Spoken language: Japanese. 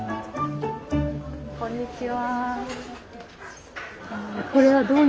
こんにちは。